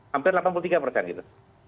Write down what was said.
hampir delapan puluh tiga persen gitu